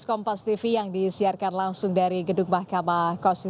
kompas tv yang disiarkan langsung dari gedung mahkamah